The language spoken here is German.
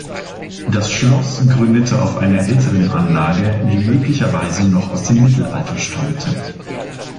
Das Schloss gründete auf einer älteren Anlage, die möglicherweise noch aus dem Mittelalter stammte.